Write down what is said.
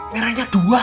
merahnya dua beb